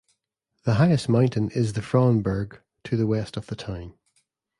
The highest mountain is the Frauenberg to the west of the town.